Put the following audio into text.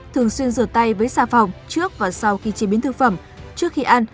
thường xuyên rửa tay với xà phòng trước và sau khi chế biến thực phẩm trước khi ăn